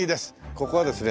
ここはですね